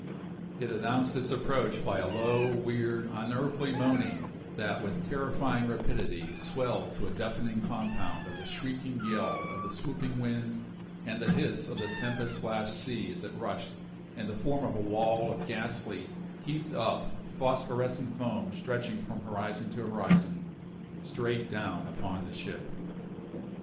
It announced its approach by a low, weird, unearthly moaning that with terrifying rapidity swelled to a deafening compound of the shrieking yell of the swooping wind and the hiss of the tempest lashed sea as it rushed, in the form of a wall of ghastly, heaped up, phosphorescent foam stretching from horizon to horizon, straight down upon the ship.